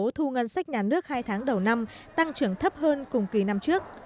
tổng số thu ngân sách nhà nước hai tháng đầu năm tăng trưởng thấp hơn cùng kỳ năm trước